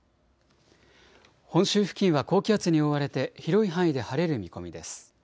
本州付近は高気圧に覆われて広い範囲で晴れる見込みです。